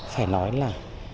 phải nói là